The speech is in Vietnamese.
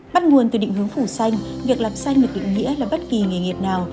bắt nguồn từ định hướng phủ xanh việc làm xanh được định nghĩa là bất kỳ nghề nghiệp nào